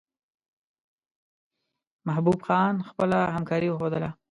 محبوب خان خپله همکاري وښودله.